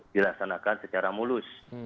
dilaksanakan secara mulus